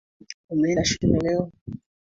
Umeenda shule leo?